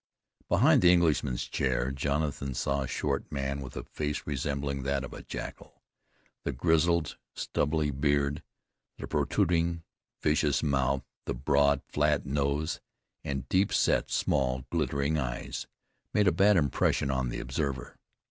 Behind the Englishman's chair Jonathan saw a short man with a face resembling that of a jackal. The grizzled, stubbly beard, the protruding, vicious mouth, the broad, flat nose, and deep set, small, glittering eyes made a bad impression on the observer.